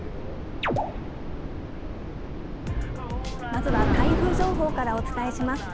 まずは台風情報からお伝えします。